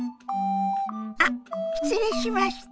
あっ失礼しました。